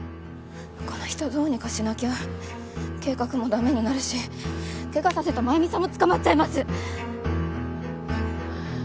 この人どうにかしなきゃ計画もダメになるし怪我させた繭美さんも捕まっちゃいます！